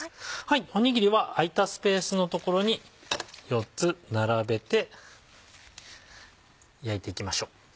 おにぎりは空いたスペースの所に４つ並べて焼いていきましょう。